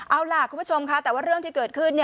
เอาล่ะคุณผู้ชมค่ะแต่ว่าเรื่องที่เกิดขึ้น